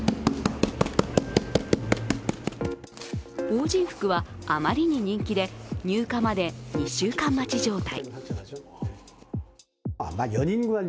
防刃服はあまりに人気で、入荷まで２週間待ち状態。